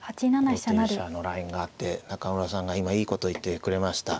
王手飛車のラインがあって中村さんが今いいことを言ってくれました。